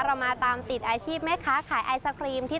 เรามาตามติดอาชีพแม่ค้าขายไอศครีมที่